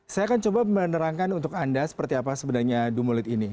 saya akan coba menerangkan untuk anda seperti apa sebenarnya dumolit ini